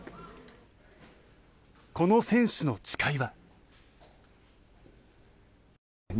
この選手の誓いは。